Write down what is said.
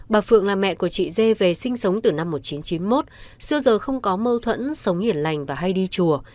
bà phượng là mẹ của chị dê về sinh sống từ năm một nghìn chín trăm chín mươi một xưa giờ không có mâu thuẫn sống hiền lành và hay đi chùa